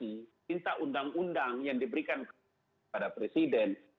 ini adalah perintah undang undang yang diberikan kepada presiden